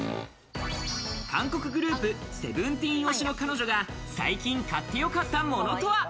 韓国グループ、ＳＥＶＥＮＴＥＥＮ推しの彼女が最近買ってよかったものとは？